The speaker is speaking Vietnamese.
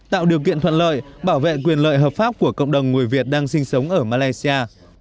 tạo điều kiện thuận lợi bảo vệ quyền lợi hợp pháp của cộng đồng người việt đang sinh sống ở malaysia